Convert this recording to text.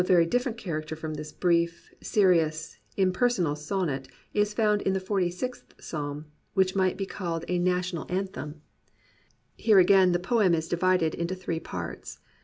A poem of very different character from this brief, serious, impersonal sonnet is found in the Forty sixth Psalm, which might be called a National 44 POETRY IN THE PSALMS Anthem. Here again the poem is divided into three parts.